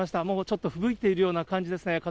もうちょっとふぶいているような感じですね。